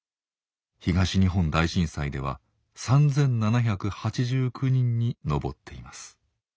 東日本大震災では３，７８９人に上っています。